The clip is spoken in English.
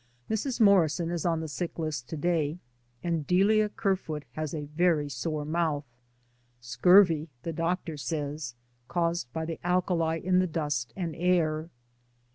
Mrs. Morrison is on the sick list to day, and Delia Kerfoot has a very sore mouth — scurvy, the doctor says, caused by the alkali in the dust and air.